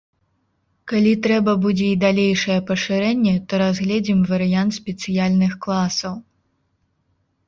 Калі трэба будзе і далейшае пашырэнне, то разгледзім варыянт спецыяльных класаў.